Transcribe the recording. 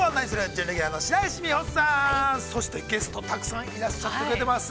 準レギュラーの白石美帆さん、そして、ゲスト、たくさんいらっしゃってくれてます。